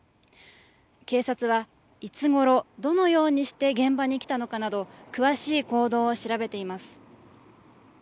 警察は、いつごろどのようにして現場に来たのかなど詳しい行動を調べています。